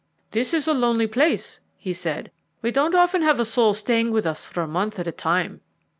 "This is a lonely place," he said; "we don't often have a soul staying with us for a month at a time."